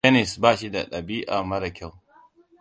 Dennis bashi da ɗabi'a mara kyau.